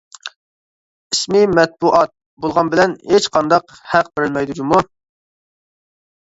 ئىسمى ‹ ‹مەتبۇئات› › بولغان بىلەن ھېچ قانداق ھەق بېرىلمەيدۇ جۇمۇ.